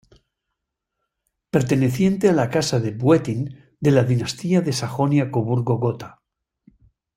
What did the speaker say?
Perteneciente a la Casa de Wettin, de la dinastía de Sajonia-Coburgo-Gotha.